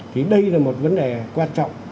thì đây là một vấn đề quan trọng